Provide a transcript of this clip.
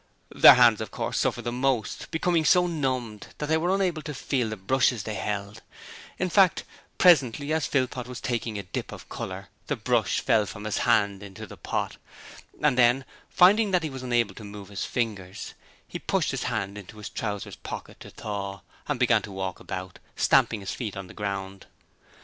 Their hands, of course, suffered the most, becoming so numbed that they were unable to feel the brushes they held; in fact, presently, as Philpot was taking a dip of colour, the brush fell from his hand into the pot; and then, finding that he was unable to move his fingers, he put his hand into his trousers pocket to thaw, and began to walk about, stamping his feet upon the ground.